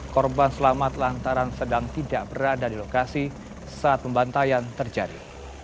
korban selamat lantaran sedang tidak berada di lokasi saat pembantaian terjadi